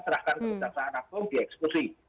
terahkan kebuncaan anak anak di ekskusi